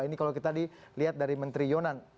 ini kalau kita dilihat dari menteri yonan